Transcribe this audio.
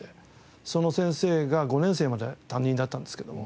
その先生が５年生まで担任だったんですけども。